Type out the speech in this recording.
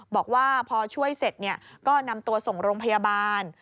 บอกว่าพอช่วยเสร็จก็นำตัวส่งโรงพยาบาล